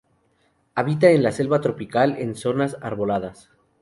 Habita en la selva tropical, en zonas arboladas.